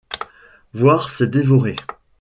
Voir, c’est dévorer.